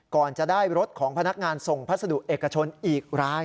ก่อนจะได้รถของพนักงานส่งพัสดุเอกชนอีกราย